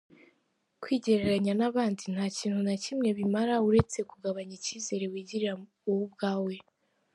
Kwigereranya n’abandi nta kintu na kimwe bimara uretse kugabanya icyizere wigirira wowe ubwawe.